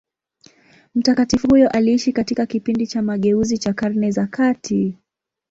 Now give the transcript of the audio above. Mtakatifu huyo aliishi katika kipindi cha mageuzi cha Karne za kati.